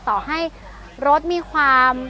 ต่อให้รถมีความ